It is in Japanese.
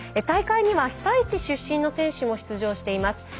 大会には被災地出身の選手も出場しています。